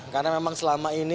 karena memang selama ini